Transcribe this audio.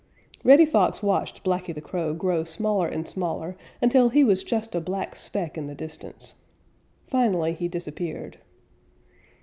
_ Reddy Fox watched Blacky the Crow grow smaller and smaller until he was just a black speck in the distance. Finally he disappeared.